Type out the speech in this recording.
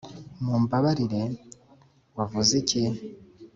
mumbabarire, wavuze iki?